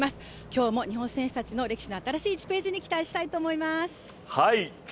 今日も日本選手たちの歴史の新しい１ページに期待したいと思います。